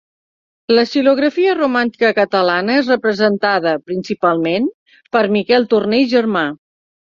La xilografia romàntica catalana és representada, principalment, per Miquel Torner i Germà.